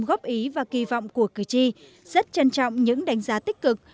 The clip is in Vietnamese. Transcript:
góp ý và kỳ vọng của cử tri rất trân trọng những đánh giá tích cực